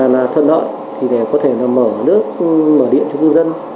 là thuận đợi để có thể mở nước mở điện cho người dân